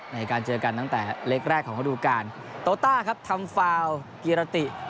ในการเจอกันตั้งแต่เล็กแรกของระดูการโตต้าครับทำฟาวกิรติ